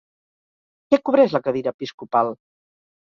Què cobreix la cadira episcopal?